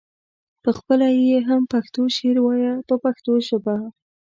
پخپله یې هم پښتو شعر وایه په پښتو ژبه.